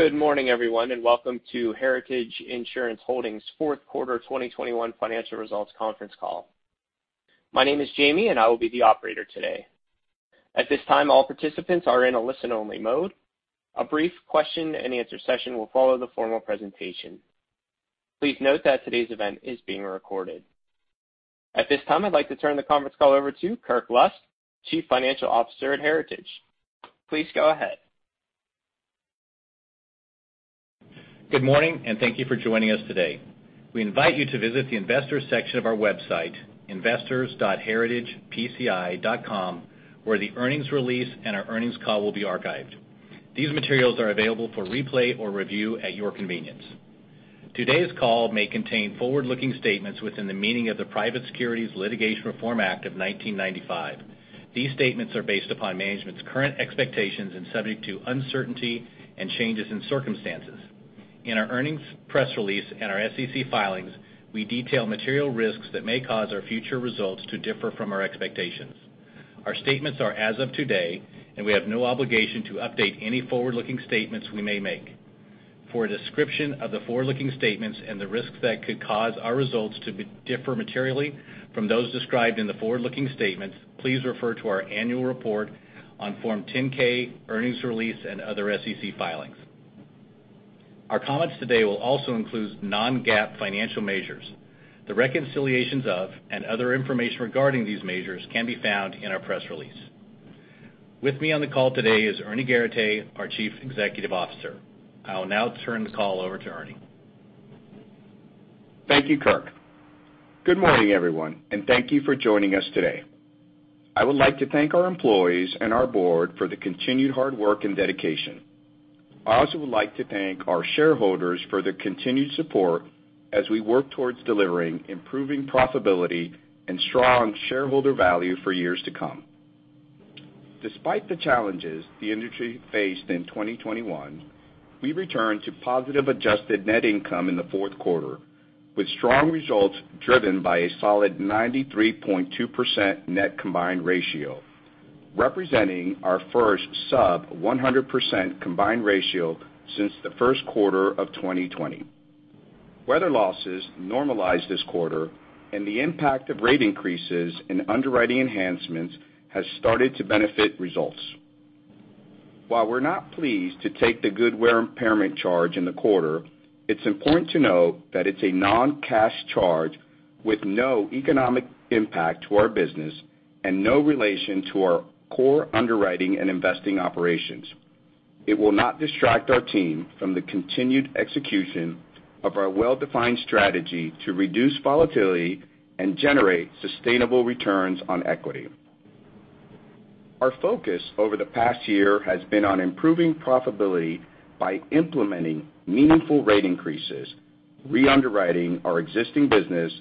Good morning, everyone, and welcome to Heritage Insurance Holdings' fourth quarter 2021 financial results conference call. My name is Jamie, and I will be the operator today. At this time, all participants are in a listen-only mode. A brief question and answer session will follow the formal presentation. Please note that today's event is being recorded. At this time, I'd like to turn the conference call over to Kirk Lusk, Chief Financial Officer at Heritage. Please go ahead. Good morning, and thank you for joining us today. We invite you to visit the investors section of our website, investors.heritagepci.com, where the earnings release and our earnings call will be archived. These materials are available for replay or review at your convenience. Today's call may contain forward-looking statements within the meaning of the Private Securities Litigation Reform Act of 1995. These statements are based upon management's current expectations and subject to uncertainty and changes in circumstances. In our earnings press release and our SEC filings, we detail material risks that may cause our future results to differ from our expectations. Our statements are as of today, and we have no obligation to update any forward-looking statements we may make. For a description of the forward-looking statements and the risks that could cause our results to differ materially from those described in the forward-looking statements, please refer to our annual report on Form 10-K, Earnings Release and other SEC filings. Our comments today will also include non-GAAP financial measures. The reconciliations of and other information regarding these measures can be found in our press release. With me on the call today is Ernie Garateix, our Chief Executive Officer. I will now turn the call over to Ernie. Thank you, Kirk. Good morning, everyone, and thank you for joining us today. I would like to thank our employees and our board for the continued hard work and dedication. I also would like to thank our shareholders for their continued support as we work towards delivering improving profitability and strong shareholder value for years to come. Despite the challenges the industry faced in 2021, we returned to positive adjusted net income in the fourth quarter, with strong results driven by a solid 93.2% net combined ratio, representing our first sub 100% combined ratio since the first quarter of 2020. Weather losses normalized this quarter and the impact of rate increases in underwriting enhancements has started to benefit results. While we're not pleased to take the goodwill impairment charge in the quarter, it's important to note that it's a non-cash charge with no economic impact to our business and no relation to our core underwriting and investing operations. It will not distract our team from the continued execution of our well-defined strategy to reduce volatility and generate sustainable returns on equity. Our focus over the past year has been on improving profitability by implementing meaningful rate increases, re-underwriting our existing business,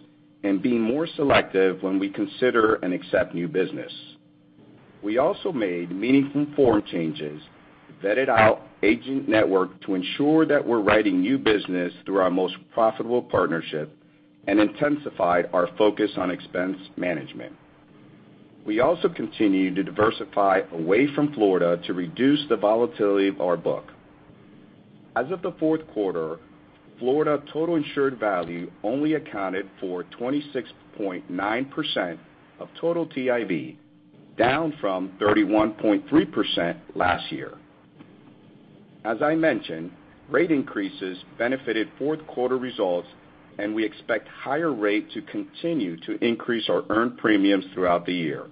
and being more selective when we consider and accept new business. We also made meaningful form changes, vetted our agent network to ensure that we're writing new business through our most profitable partnership and intensified our focus on expense management. We also continue to diversify away from Florida to reduce the volatility of our book. As of the fourth quarter, Florida total insured value only accounted for 26.9% of total TIV, down from 31.3% last year. As I mentioned, rate increases benefited fourth quarter results, and we expect higher rate to continue to increase our earned premiums throughout the year.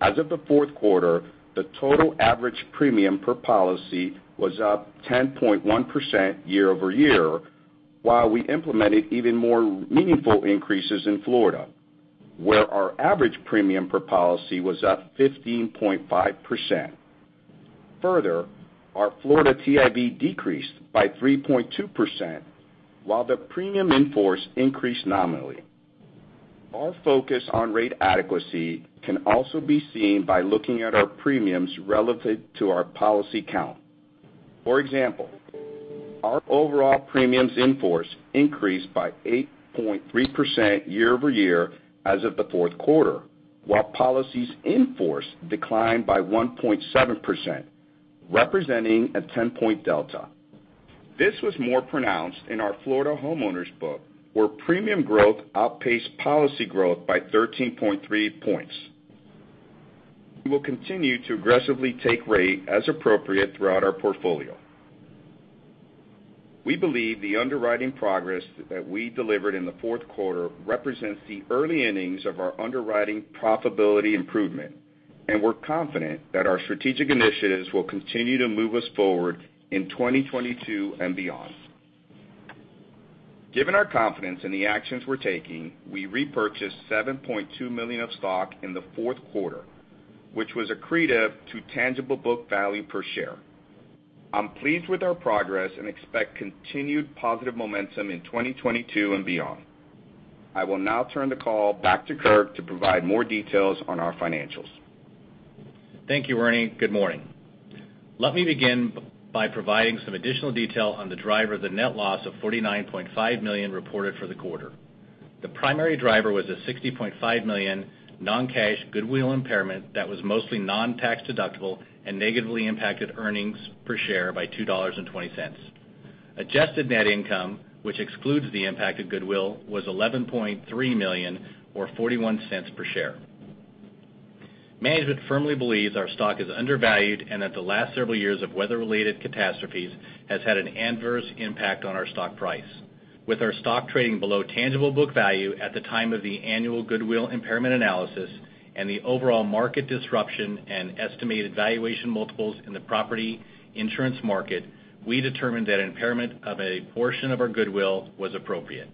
As of the fourth quarter, the total average premium per policy was up 10.1% year-over-year, while we implemented even more meaningful increases in Florida, where our average premium per policy was up 15.5%. Further, our Florida TIV decreased by 3.2%, while the premium in force increased nominally. Our focus on rate adequacy can also be seen by looking at our premiums relative to our policy count. For example, our overall premiums in force increased by 8.3% year-over-year as of the fourth quarter, while policies in force declined by 1.7%, representing a 10-point delta. This was more pronounced in our Florida homeowners book, where premium growth outpaced policy growth by 13.3 points. We will continue to aggressively take rate as appropriate throughout our portfolio. We believe the underwriting progress that we delivered in the fourth quarter represents the early innings of our underwriting profitability improvement, and we're confident that our strategic initiatives will continue to move us forward in 2022 and beyond. Given our confidence in the actions we're taking, we repurchased $7.2 million of stock in the fourth quarter, which was accretive to tangible book value per share. I'm pleased with our progress and expect continued positive momentum in 2022 and beyond. I will now turn the call back to Kirk to provide more details on our financials. Thank you, Ernie. Good morning. Let me begin by providing some additional detail on the driver of the net loss of $49.5 million reported for the quarter. The primary driver was a $60.5 million non-cash goodwill impairment that was mostly non-tax deductible and negatively impacted earnings per share by $2.20. Adjusted net income, which excludes the impact of goodwill, was $11.3 million or $0.41 per share. Management firmly believes our stock is undervalued and that the last several years of weather-related catastrophes has had an adverse impact on our stock price. With our stock trading below tangible book value at the time of the annual goodwill impairment analysis and the overall market disruption and estimated valuation multiples in the property insurance market, we determined that impairment of a portion of our goodwill was appropriate.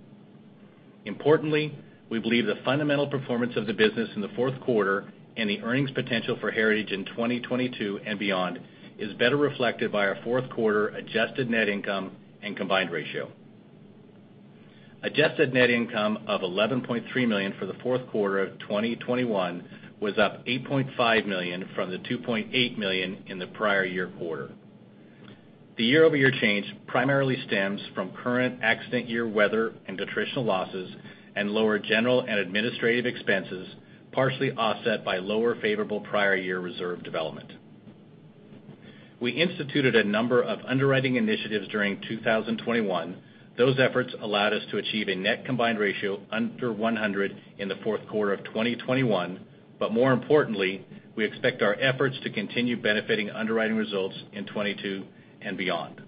Importantly, we believe the fundamental performance of the business in the fourth quarter and the earnings potential for Heritage in 2022 and beyond is better reflected by our fourth quarter adjusted net income and combined ratio. Adjusted net income of $11.3 million for the fourth quarter of 2021 was up $8.5 million from the $2.8 million in the prior year quarter. The year-over-year change primarily stems from current accident year weather and attritional losses and lower general and administrative expenses, partially offset by lower favorable prior year reserve development. We instituted a number of underwriting initiatives during 2021. Those efforts allowed us to achieve a net combined ratio under 100% in the fourth quarter of 2021. More importantly, we expect our efforts to continue benefiting underwriting results in 2022 and beyond.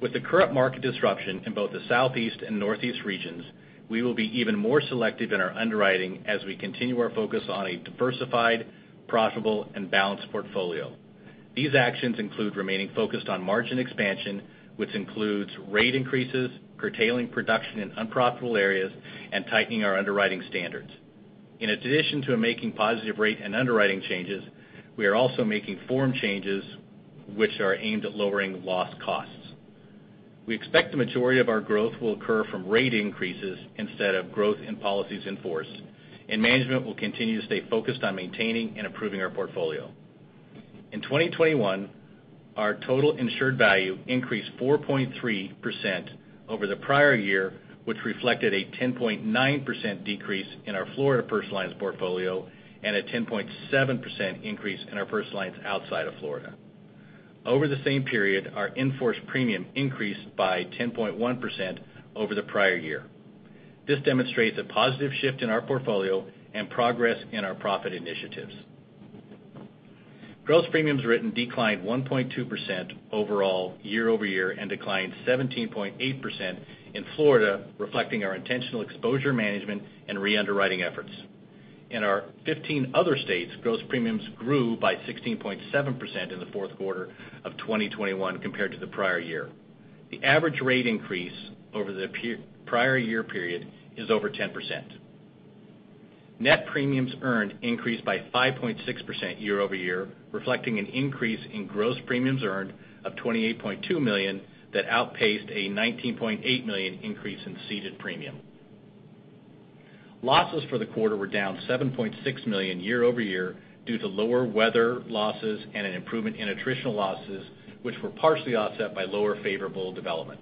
With the current market disruption in both the Southeast and Northeast regions, we will be even more selective in our underwriting as we continue our focus on a diversified, profitable and balanced portfolio. These actions include remaining focused on margin expansion, which includes rate increases, curtailing production in unprofitable areas, and tightening our underwriting standards. In addition to making positive rate and underwriting changes, we are also making form changes which are aimed at lowering loss costs. We expect the majority of our growth will occur from rate increases instead of growth in policies in force, and management will continue to stay focused on maintaining and improving our portfolio. In 2021, our total insured value increased 4.3% over the prior year, which reflected a 10.9% decrease in our Florida personal lines portfolio and a 10.7% increase in our personal lines outside of Florida. Over the same period, our in-force premium increased by 10.1% over the prior year. This demonstrates a positive shift in our portfolio and progress in our profit initiatives. Gross premiums written declined 1.2% overall year-over-year and declined 17.8% in Florida, reflecting our intentional exposure management and re-underwriting efforts. In our 15 other states, gross premiums grew by 16.7% in the fourth quarter of 2021 compared to the prior year. The average rate increase over the prior year period is over 10%. Net premiums earned increased by 5.6% year-over-year, reflecting an increase in gross premiums earned of $28.2 million that outpaced a $19.8 million increase in ceded premium. Losses for the quarter were down $7.6 million year-over-year due to lower weather losses and an improvement in attritional losses, which were partially offset by lower favorable development.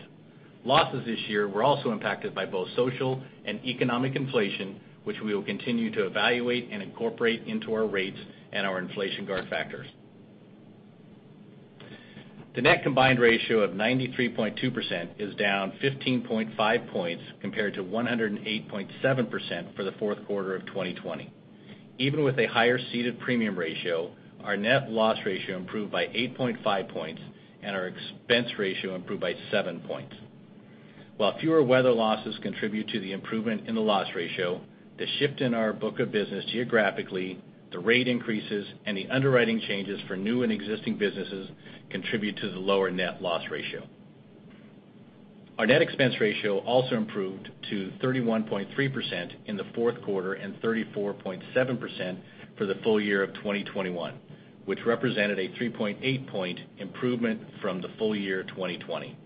Losses this year were also impacted by both social and economic inflation, which we will continue to evaluate and incorporate into our rates and our inflation guard factors. The net combined ratio of 93.2% is down 15.5 points compared to 108.7% for the fourth quarter of 2020. Even with a higher ceded premium ratio, our net loss ratio improved by 8.5 points and our expense ratio improved by 7 points. While fewer weather losses contribute to the improvement in the loss ratio, the shift in our book of business geographically, the rate increases and the underwriting changes for new and existing businesses contribute to the lower net loss ratio. Our net expense ratio also improved to 31.3% in the fourth quarter and 34.7% for the full year of 2021, which represented a 3.8-point improvement from the full year 2020.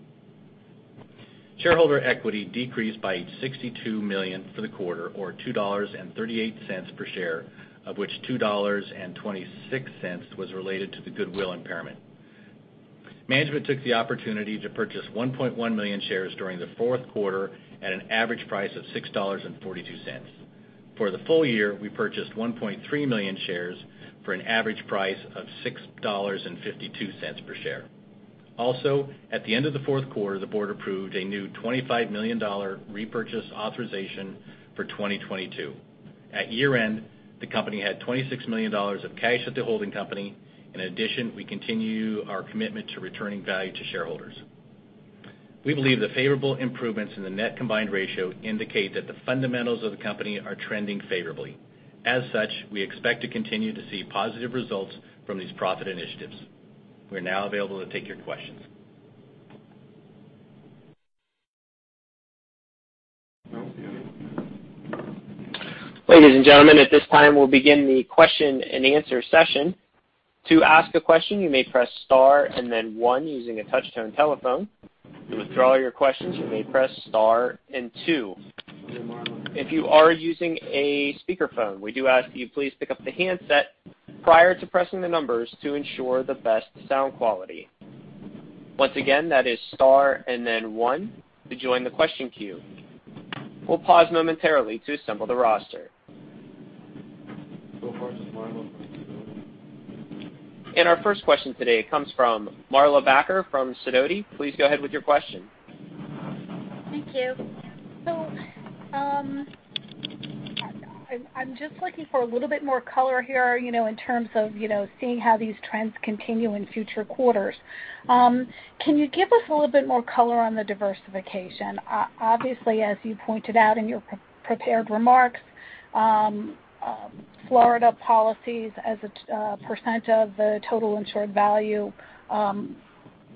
Shareholder equity decreased by $62 million for the quarter or $2.38 per share, of which $2.26 was related to the goodwill impairment. Management took the opportunity to purchase 1.1 million shares during the fourth quarter at an average price of $6.42. For the full year, we purchased 1.3 million shares for an average price of $6.52 per share. Also, at the end of the fourth quarter, the board approved a new $25 million repurchase authorization for 2022. At year-end, the company had $26 million of cash at the holding company. In addition, we continue our commitment to returning value to shareholders. We believe the favorable improvements in the net combined ratio indicate that the fundamentals of the company are trending favorably. As such, we expect to continue to see positive results from these profit initiatives. We're now available to take your questions. Ladies and gentlemen, at this time, we'll begin the question-and-answer session. To ask a question, you may press star and then one using a touch-tone telephone. To withdraw your questions, you may press star and two. If you are using a speakerphone, we do ask that you please pick up the handset prior to pressing the numbers to ensure the best sound quality. Once again, that is star and then one to join the question queue. We'll pause momentarily to assemble the roster. Our first question today comes from Marla Backer from Sidoti. Please go ahead with your question. Thank you. I'm just looking for a little bit more color here, you know, in terms of, you know, seeing how these trends continue in future quarters. Can you give us a little bit more color on the diversification? Obviously, as you pointed out in your pre-prepared remarks, Florida policies as a percent of the total insured value,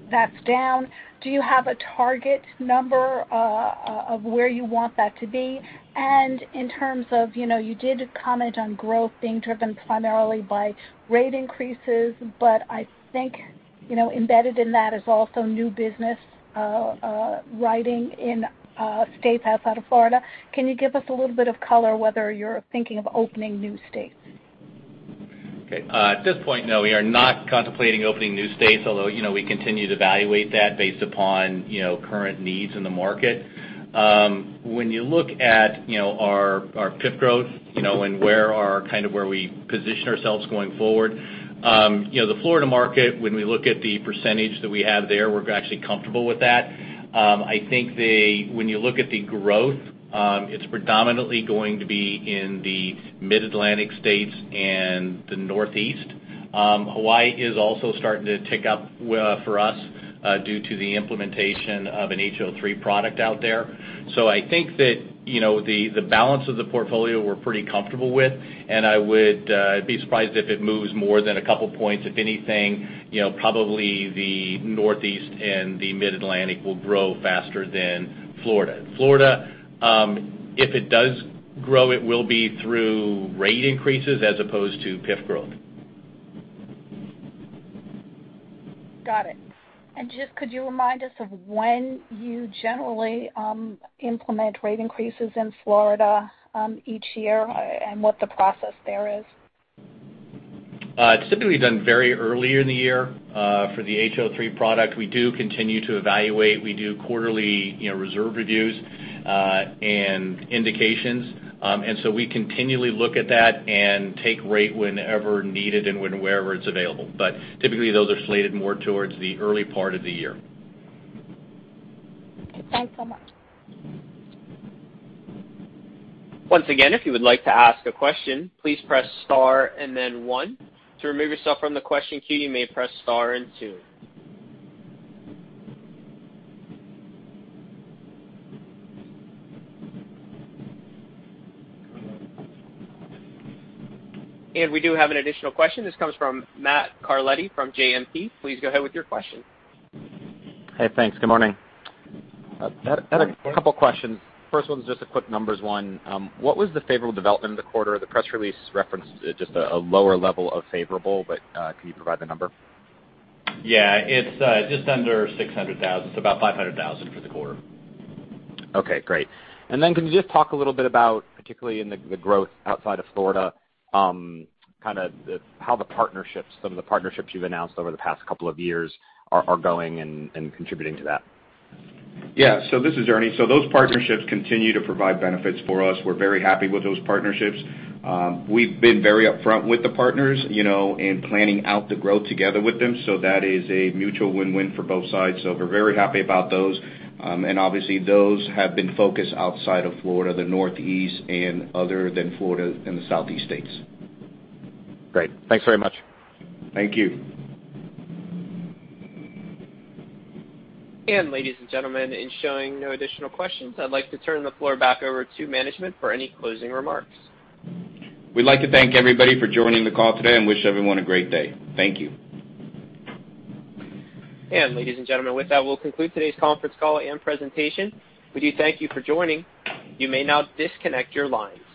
that's down. Do you have a target number of where you want that to be? In terms of, you know, you did comment on growth being driven primarily by rate increases, but I think, you know, embedded in that is also new business writing in states outside of Florida. Can you give us a little bit of color whether you're thinking of opening new states? Okay. At this point, no, we are not contemplating opening new states, although, you know, we continue to evaluate that based upon, you know, current needs in the market. When you look at, you know, our PIF growth, you know, and where we position ourselves going forward, you know, the Florida market, when we look at the percentage that we have there, we're actually comfortable with that. I think when you look at the growth, it's predominantly going to be in the Mid-Atlantic states and the Northeast. Hawaii is also starting to tick up for us due to the implementation of an HO3 product out there. I think that, you know, the balance of the portfolio we're pretty comfortable with, and I would be surprised if it moves more than a couple points. If anything, you know, probably the Northeast and the Mid-Atlantic will grow faster than Florida. Florida, if it does grow, it will be through rate increases as opposed to PIF growth. Got it. Just, could you remind us of when you generally implement rate increases in Florida each year, and what the process there is? It's typically done very early in the year for the HO3 product. We do continue to evaluate. We do quarterly, you know, reserve reviews and indications. We continually look at that and take rate whenever needed and wherever it's available. Typically, those are slated more towards the early part of the year. Okay. Thanks so much. Once again, if you would like to ask a question, please press star and then one. To remove yourself from the question queue, you may press star and two. We do have an additional question. This comes from Matt Carletti from JMP. Please go ahead with your question. Hey, thanks. Good morning. Good morning. I had a couple questions. First one is just a quick numbers one. What was the favorable development in the quarter? The press release referenced it as just a lower level of favorable, but can you provide the number? Yeah, it's just under $600,000. It's about $500,000 for the quarter. Okay, great. Can you just talk a little bit about, particularly in the growth outside of Florida, kind of how the partnerships, some of the partnerships you've announced over the past couple of years are going and contributing to that? Yeah. This is Ernie. Those partnerships continue to provide benefits for us. We're very happy with those partnerships. We've been very upfront with the partners, you know, in planning out the growth together with them. That is a mutual win-win for both sides. We're very happy about those. Obviously, those have been focused outside of Florida, the Northeast and other than Florida and the Southeast states. Great. Thanks very much. Thank you. Ladies and gentlemen, seeing no additional questions, I'd like to turn the floor back over to management for any closing remarks. We'd like to thank everybody for joining the call today and wish everyone a great day. Thank you. Ladies and gentlemen, with that, we'll conclude today's conference call and presentation. We do thank you for joining. You may now disconnect your lines.